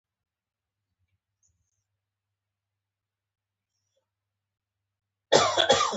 هغه د اور ګوله وغورځوله.